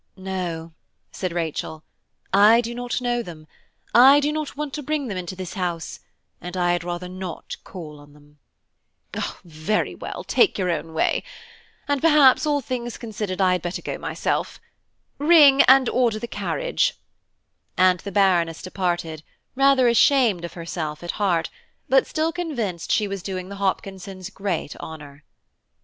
"No," said Rachel, "I do not know them; I do not want to bring them into this house, and I had rather not call on them." "Oh! very well, take your own way; and perhaps, all things considered, I had better go myself. Ring, and order the carriage"; and the Baroness departed, rather ashamed of herself at heart, but still convinced she was doing the Hopkinsons great honour.